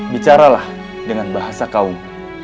bicaralah dengan bahasa kaum